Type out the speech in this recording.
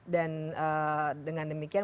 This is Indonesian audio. dan dengan demikian